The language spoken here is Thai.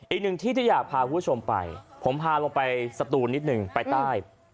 อีกหนึ่งที่ที่อยากพาคุณผู้ชมไปผมพาลงไปสตูนนิดนึงไปใต้